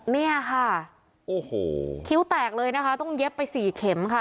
เนี่ยค่ะโอ้โหคิ้วแตกเลยนะคะต้องเย็บไปสี่เข็มค่ะ